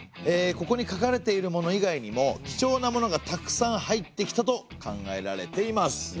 ここに書かれているもの以外にも貴重なものがたくさん入ってきたと考えられています。